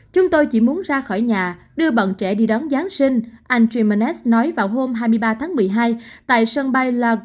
chúng tôi chỉ muốn ra khỏi nhà đưa bọn trẻ đi đón giáng sinh anh trimnet nói vào hôm hai mươi ba tháng một mươi hai tại sân bay laguardia ở new york